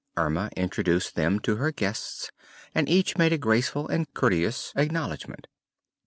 Erma introduced them to her guests and each made a graceful and courteous acknowledgment.